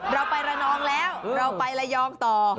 เราไประนองแล้วเราไประยองต่อ